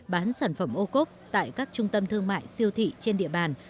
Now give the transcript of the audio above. bán sản phẩm ô cốp tại các trung tâm thương mại siêu thị trên địa bàn